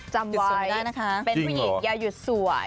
จำไว้เป็นผู้หญิงอย่าหยุดสวยจำได้นะคะ